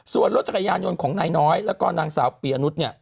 ส่วนรถจักรยานยนต์ของนายน้อยแล้วก็นางสาวปียนุษย์เนี่ย